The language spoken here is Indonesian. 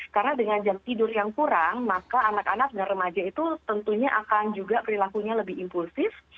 karena dengan jam tidur yang kurang maka anak anak dan remaja itu tentunya akan juga perilakunya lebih impulsif